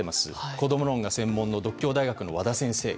こども論が専門の獨協大学の和田先生。